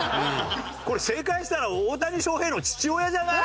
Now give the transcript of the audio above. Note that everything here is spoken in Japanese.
これ正解したら大谷翔平の父親じゃない？